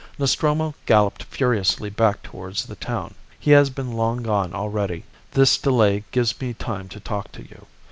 Nostromo galloped furiously back towards the town. He has been long gone already. This delay gives me time to talk to you.